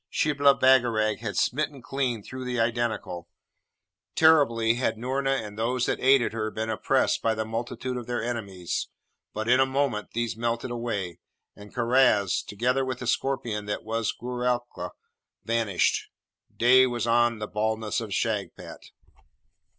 Shibli Bagarag had smitten clean through the Identical! Terribly had Noorna and those that aided her been oppressed by the multitude of their enemies; but, in a moment these melted away, and Karaz, together with the scorpion that was Goorelka, vanished. Day was on the baldness of Shagpat.